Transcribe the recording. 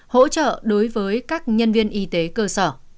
hỗ trợ đối với các nhân viên y tế cơ sở